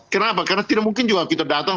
kenapa karena tidak mungkin juga kita datang